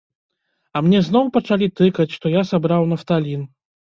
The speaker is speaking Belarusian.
А мне зноў пачалі тыкаць, што я сабраў нафталін!